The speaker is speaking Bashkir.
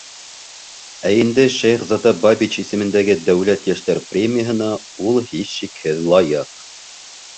Ә инде Шәйехзада Бабич исемендәге дәүләт йәштәр премияһына ул һис шикһеҙ лайыҡ.